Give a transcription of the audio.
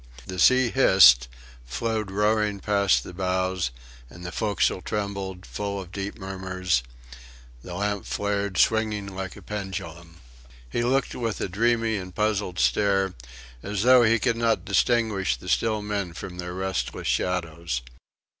The sea hissed, flowed roaring past the bows, and the forecastle trembled, full of deep murmurs; the lamp flared, swinging like a pendulum. He looked with a dreamy and puzzled stare, as though he could not distinguish the still men from their restless shadows.